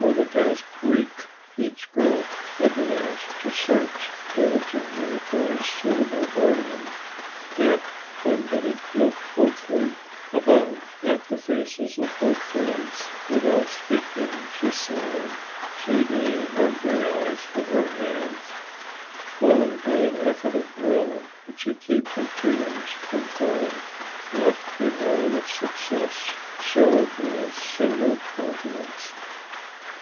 For the past week each girl had been asked to search diligently for a suitable guardian. Yet when Betty looked hopefully about at the faces of her friends without speaking she sighed, shading her gray eyes with her hand. Only by an effort of will could she keep her tears from falling not a line of success showed in a single countenance.